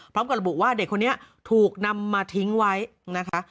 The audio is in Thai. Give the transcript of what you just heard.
พร้อมกับระบุว่าเด็กคนนี้ถูกนำมาทิ้งไว้นะคะ